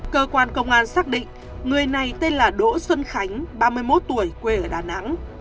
cơ quan công an xác định người này tên là đỗ xuân khánh ba mươi một tuổi quê ở đà nẵng